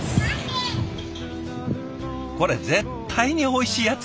これ絶対においしいやつ。